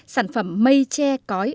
sản phẩm mây tre cói